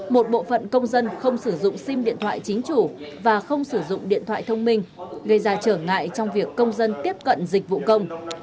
một bộ phận công dân không sử dụng sim điện thoại chính chủ và không sử dụng điện thoại thông minh gây ra trở ngại trong việc công dân tiếp cận dịch vụ công